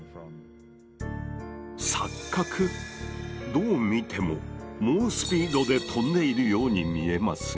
どう見ても猛スピードで飛んでいるように見えますが？